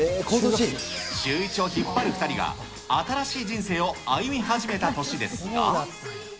シューイチを引っ張る２人が、新しい人生を歩み始めた年ですが。